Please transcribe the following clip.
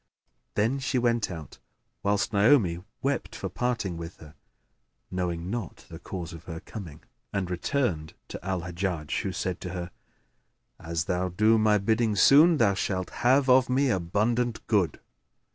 Then she went out (whilst Naomi wept for parting with her knowing not the cause of her coming), and returned to Al Hajjaj who said to her, "As thou do my bidding soon, thou shalt have of me abundant good."